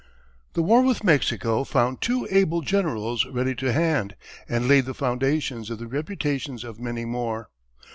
The war with Mexico found two able generals ready to hand, and laid the foundations of the reputations of many more.